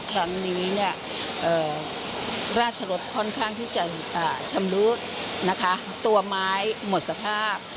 ครั้งนี้ราชรสค่อนข้างที่จะชำรุดนะคะตัวไม้หมดสภาพ